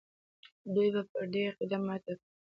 دوی به د پردیو عقیده ماته کړي.